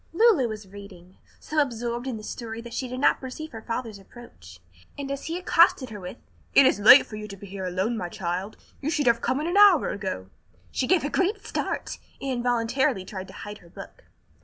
Lulu was reading, so absorbed in the story that she did not perceive her father's approach, and as he accosted her with, "It is late for you to be here alone, my child, you should have come in an hour ago," she gave a great start, and involuntarily tried to hide her book.